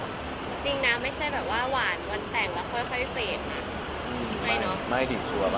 จริงนะไม่ใช่แบบว่าหวานวันแต่งแล้วค่อยเฟรดนะ